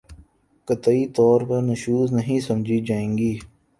قطعی طور پر نشوزنہیں سمجھی جائے گی